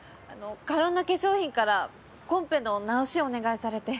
カロンナ化粧品からコンペの直しをお願いされて。